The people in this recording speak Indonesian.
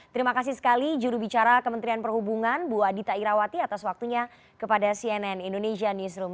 terima kasih sekali jurubicara kementerian perhubungan bu adita irawati atas waktunya kepada cnn indonesia newsroom